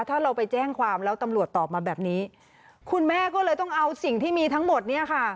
ถ้าเราไปแจ้งความแล้วตำรวจตอบมาแบบนี้คุณแม่ก็เลยต้องเอาสิ่งที่มีทั้งหมดเนี่ยค่ะ